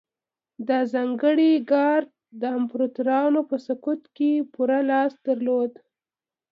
دا ځانګړی ګارډ د امپراتورانو په سقوط کې پوره لاس درلود